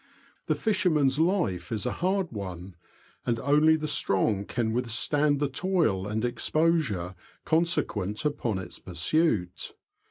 The fisherman's life is a hard one, and only the strong can withstand the toil and exposure conse quent upon its pursuit.